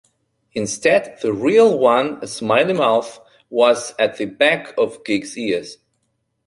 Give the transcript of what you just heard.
Instead, the real one-a "smiley mouth"-was at the back of Gig's ears.